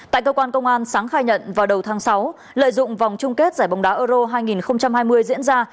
tại cơ quan công an sáng khai nhận vào đầu tháng sáu lợi dụng vòng chung kết giải bóng đá euro hai nghìn hai mươi diễn ra